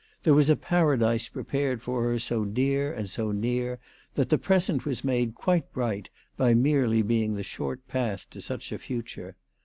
There was a paradise prepared for her so dear and so near that the present was made quite bright by merely being the short path to such a future.